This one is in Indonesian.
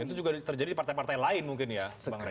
itu juga terjadi di partai partai lain mungkin ya bang rey